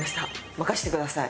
任せてください。